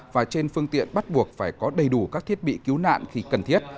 và trên phương tiện bắt buộc phải có đầy đủ các thiết bị cứu nạn khi cần thiết